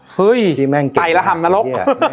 เฮ้ยไตละธรรมนรก